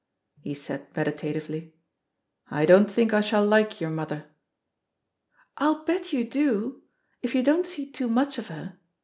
He said meditatively, "I don't think I shall like your mother." "I'll bet you do 1 — ^if you don't see too much of her.